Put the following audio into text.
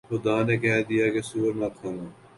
خدا نے کہہ دیا کہ سؤر نہ کھانا